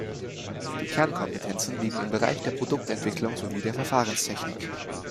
Die Kernkompetenzen liegen im Bereich der Produktentwicklung sowie der Verfahrenstechnik.